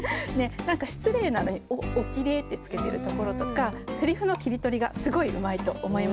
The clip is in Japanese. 何か失礼なのに「お綺麗」ってつけてるところとかセリフの切り取りがすごいうまいと思いました。